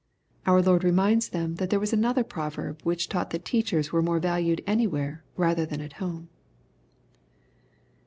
Our Lord reminds them that there was another proverb^ which taught that teachers were more valued anywhere rather than at home.